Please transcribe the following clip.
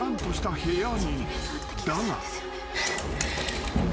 ［だが］